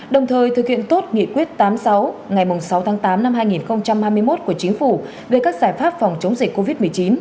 đồng thời thực hiện tốt nghị quyết tám mươi sáu ngày sáu tháng tám năm hai nghìn hai mươi một của chính phủ về các giải pháp phòng chống dịch covid một mươi chín